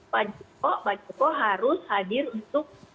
pak joko harus hadir untuk